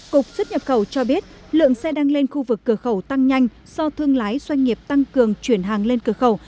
cục xuất nhập khẩu cho biết lượng xe đăng lên khu vực cửa khẩu tăng nhanh do thương lái doanh nghiệp tăng cường chuyển hàng lên cửa khẩu